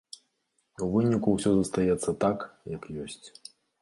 У выніку ўсё застаецца так, як ёсць.